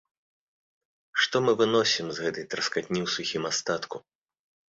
Што мы выносім з гэтай траскатні ў сухім астатку?